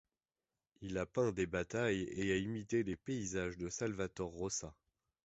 Il a peint des batailles et a imité les paysages de Salvator Rosa.